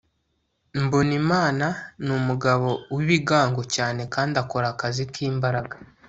mbonimana ni umugabo w'ibigango cyane kandi akora akazi k'imbaraga